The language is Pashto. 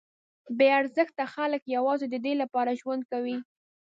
بې ارزښته خلک یوازې ددې لپاره ژوند کوي.